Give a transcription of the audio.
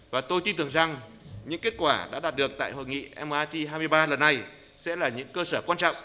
và tôi tin tưởng rằng những kết quả đã đạt được tại hội nghị mrt hai mươi ba lần này sẽ là những cơ sở quan trọng